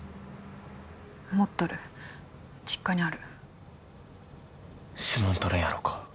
持っとる実家にある指紋とれんやろか？